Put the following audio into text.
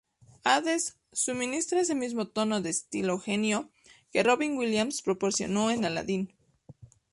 Hades suministra ese mismo tono de estilo-genio que Robin Williams proporcionó en "Aladdín"".